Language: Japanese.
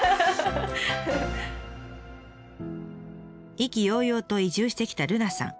意気揚々と移住してきた瑠奈さん。